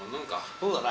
そうだな。